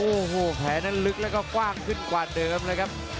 โอ้โฮแผลของนั่นลึกแล้วก็ฟ่ากขึ้นกว่าเดิมครับ